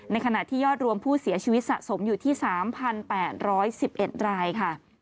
ขณะที่ยอดรวมผู้เสียชีวิตสะสมอยู่ที่๓๘๑๑รายค่ะ